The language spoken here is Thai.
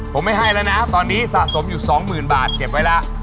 ผมไม่ให้แล้วนะตอนนี้สะสมอยู่๒๐๐๐บาทเก็บไว้แล้ว